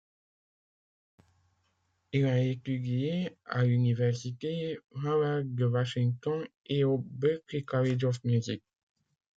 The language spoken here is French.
Il a étudié à l'Université Howard de Washington et au Berklee College of Music.